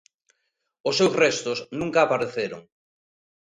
Os seus restos nunca apareceron.